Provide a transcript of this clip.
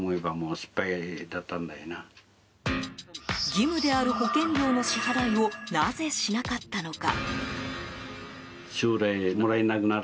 義務である保険料の支払いをなぜしなかったのか。